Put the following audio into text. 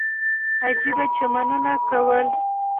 عجيبه چمونه يې کول.